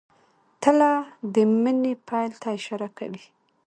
تله د مني پیل ته اشاره کوي.